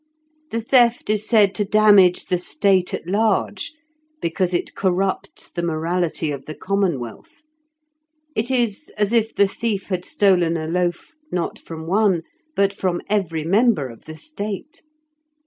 The theft is said to damage the State at large, because it corrupts the morality of the commonwealth; it is as if the thief had stolen a loaf, not from one, but from every member of the State.